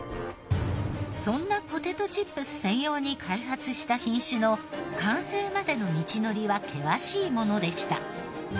そんなポテトチップス専用に開発した品種の完成までの道のりは険しいものでした。